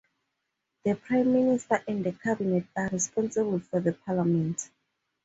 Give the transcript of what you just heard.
The prime minister and the cabinet are responsible to the Parliament.